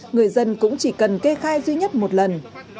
người dân cũng chỉ cần kê khai duy nhất một lần